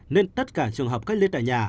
nên tất cả trường hợp cách ly tại nhà